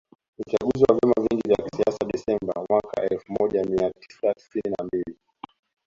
Uchaguzi wa vyama vingi vya kisiasa Desemba mwaka elfumoja miatisa tisini na mbili